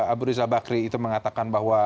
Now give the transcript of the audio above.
abu riza bakri itu mengatakan bahwa